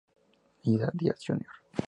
Ida Diaz Jr.